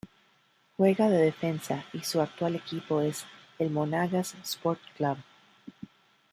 Juega de Defensa y su actual equipo es el Monagas Sport Club.